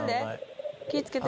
気つけて。